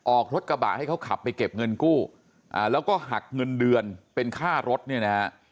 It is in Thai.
ออกรถกระบะให้เขาขับไปเก็บเงินกู้แล้วก็หักเงินเดือนเป็นค่ารถเนี่ยนะฮะ